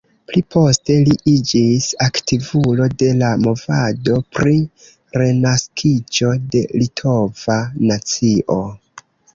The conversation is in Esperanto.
Pli poste li iĝis aktivulo de la movado pri renaskiĝo de litova nacio.